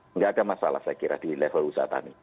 nggak ada masalah saya kira di level usaha tani